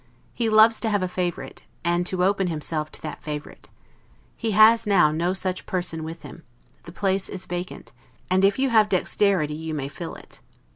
He loves to have a favorite, and to open himself to that favorite. He has now no such person with him; the place is vacant, and if you have dexterity you may fill it.